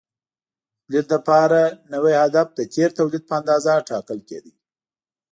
د تولید لپاره نوی هدف د تېر تولید په اندازه ټاکل کېده.